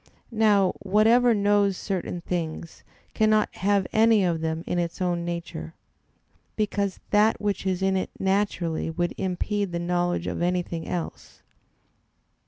Now whatever knows certain things cannot have any of them in its own nature; because that which is in it naturally would impede the knowledge of anything else.